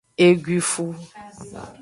Eguifu.